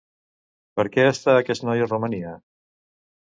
Per què està aquest noi a Romania?